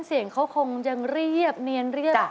เส้นเสียงก็คงยังเรียบเนียนเรียบ